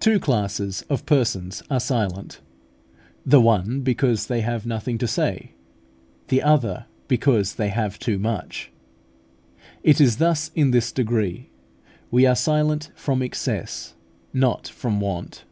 Two classes of persons are silent: the one because they have nothing to say, the other because they have too much. It is thus in this degree. We are silent from excess, not from want.